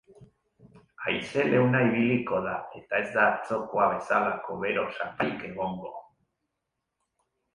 Haize leuna ibiliko da, eta ez da atzokoa bezalako bero saparik egongo.